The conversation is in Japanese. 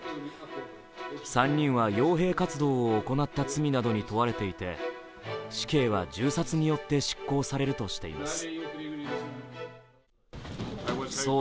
３人はよう兵活動を行った罪などに問われていて死刑は銃殺によって執行されるとしています。